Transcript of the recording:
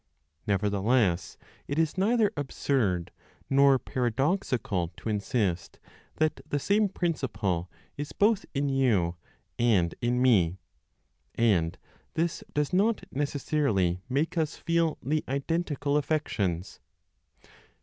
Nevertheless, it is neither absurd nor paradoxical to insist that the same principle is both in you and in me; and this does not necessarily make us feel the identical affections.